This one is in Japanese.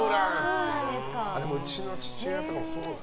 うちの父親とかもそうだな。